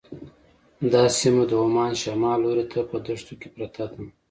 دا سیمه د عمان شمال لوري ته په دښتو کې پرته ده.